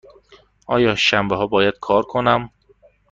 آیا شنبه ها باید کار کنم؟